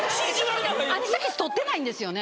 アニサキス取ってないんですよね？